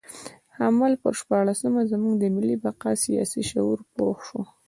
د حمل پر شپاړلسمه زموږ د ملي بقا سیاسي شعور پوخ شو.